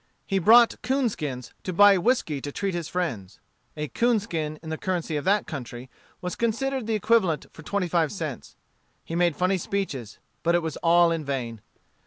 He brought 'coonskins to buy whiskey to treat his friends. A 'coonskin in the currency of that country was considered the equivalent for twenty five cents. He made funny speeches. But it was all in vain.